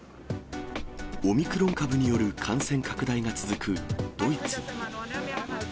オミクロン株による感染拡大が続くドイツ。